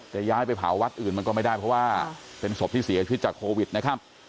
ย้ายไปเผาวัดอื่นมันก็ไม่ได้เพราะว่าเป็นศพที่เสียชีวิตจากโควิดนะครับ